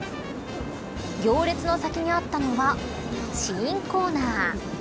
行列の先にあったのは試飲コーナー。